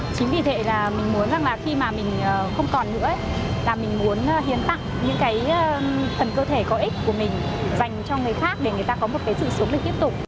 chính vì thế là mình muốn rằng là khi mà mình không còn nữa là mình muốn hiến tặng những cái phần cơ thể có ích của mình dành cho người khác để người ta có một cái sự sống để tiếp tục